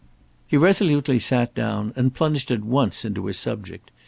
He resolutely sat down, and plunged at once into his subject.